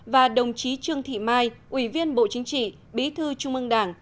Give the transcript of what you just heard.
và đồng chí trương thị mai ủy viên bộ chính trị bí thư trung ương đảng